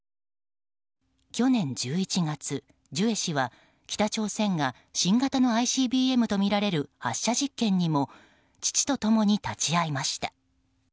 去年１１月、ジュエ氏は北朝鮮が新型のＩＣＢＭとみられる発射実験にも父と共に立ち会いました。